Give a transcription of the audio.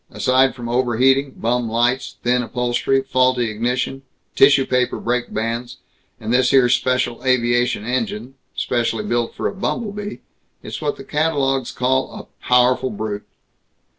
Aside from overheating, bum lights, thin upholstery, faulty ignition, tissue paper brake bands, and this here special aviation engine, specially built for a bumble bee, it's what the catalogues call a powerful brute!"